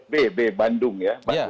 b b bandung ya